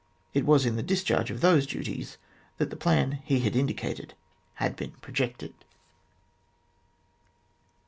It was in the discharge of those duties that the plan he had indicated had been projected.